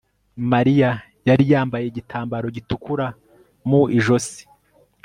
Mariya yari yambaye igitambaro gitukura mu ijosi